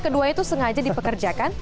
keduanya itu sengaja dipekerjakan